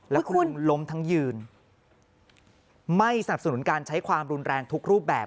แล้วคุณลุงล้มทั้งยืนไม่สนับสนุนการใช้ความรุนแรงทุกรูปแบบ